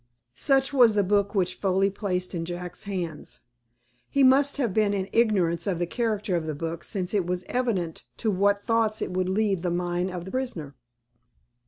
Such was the book which Foley placed in Jack's hands. He must have been in ignorance of the character of the book, since it was evident to what thoughts it would lead the mind of the prisoner.